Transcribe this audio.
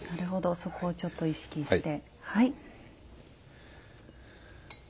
なるほどそこをちょっと意識してはい。